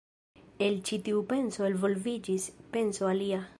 El ĉi tiu penso elvolviĝis penso alia.